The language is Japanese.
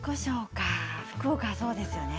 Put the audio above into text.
福岡はそうですね。